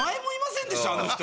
あの人。